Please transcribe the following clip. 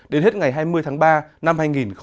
đến hết ngày hai mươi tháng ba năm hai nghìn hai mươi